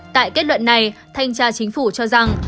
tại kết luận này thanh tra chính phủ cho rằng